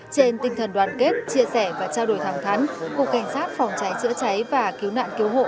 trên tinh thần đoàn kết chia sẻ và trao đổi thẳng thắn cục cảnh sát phòng cháy chữa cháy và cứu nạn cứu hộ